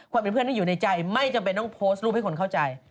ความเป็นเพื่อนต้องอยู่ในใจไม่จำเป็นต้องโพสต์รูปให้คนเข้าใจ